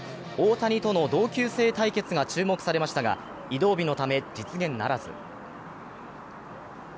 大谷との同級生対決が注目されましたが、移動日のため実現ならず。